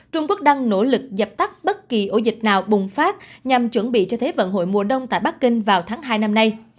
trung quốc đang nỗ lực dập tắt bất kỳ ổ dịch nào bùng phát nhằm chuẩn bị cho thế vận hội mùa đông tại bắc kinh vào tháng hai năm nay